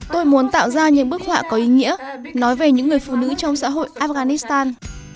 tôi muốn tạo ra những bức họa có ý nghĩa nói về những người phụ nữ trong xã hội afghanistan